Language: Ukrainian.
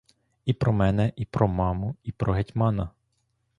І про мене, і про маму, і про гетьмана.